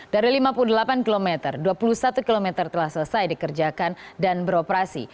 dari lima puluh delapan km dua puluh satu km telah selesai dikerjakan dan beroperasi